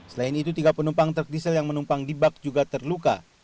selain itu tiga penumpang truk diesel yang menumpang di bak juga terluka